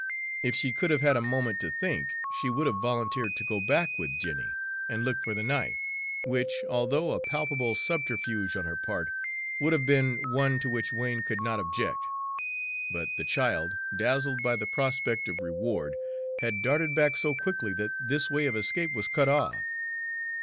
If she could have had a moment to think, she would have volunteered to go back with Jenny and look for the knife, which, although a palpable subterfuge on her part, would have been one to which Wain could not object; but the child, dazzled by the prospect of reward, had darted back so quickly that this way of escape was cut off.